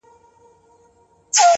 قاضي صاحبه ملامت نه یم. بچي وږي وه.